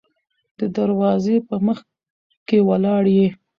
د دروازې په مخکې ولاړ يې.